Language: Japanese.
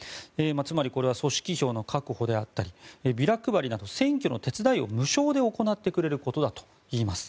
つまり、これは組織票の確保であったりビラ配りなど選挙の手伝いを無償で行ってくれることだといいます。